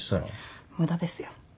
無駄ですよ。